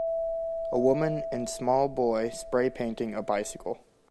A woman and small boy spraypainting a bicycle.